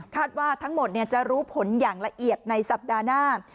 ว่าทั้งหมดจะรู้ผลอย่างละเอียดในสัปดาห์หน้า